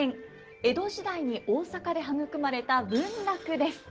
江戸時代に大阪で育まれた文楽です。